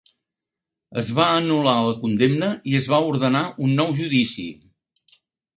Es va anul·lar la condemna i es va ordenar un nou judici.